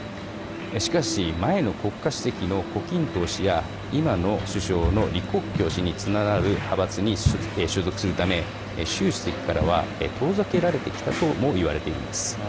しかし前の国家首相の胡錦涛氏や今の首相の李克強氏につながる派閥に所属するため習主席からは遠ざけられてきたともいわれているんです。